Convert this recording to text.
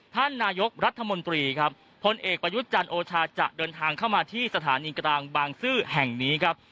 ท่านนายกรัฐมนตรีครับพลเอกประยุทธ์จันทร์โอชาจะเดินทางเข้ามาที่สถานีกลางบางซื่อแห่งนี้ครับ